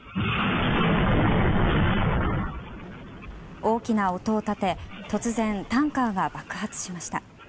大きな音を立て、突然タンカーが爆発しました。